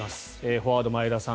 フォワード、前田さん